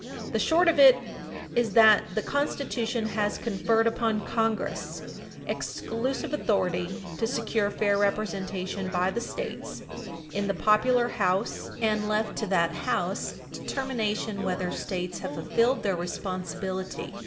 ." The short of it is that the Constitution has conferred upon Congress exclusive authority to secure fair representation by the States in the popular House, and left to that House determination whether States have fulfilled their responsibility.